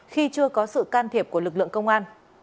khi chưa có sự can thiệp của lực lượng công an